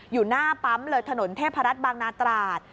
อยู่หน้าปั๊มเลยถนนเทพรัฐบางนาตราด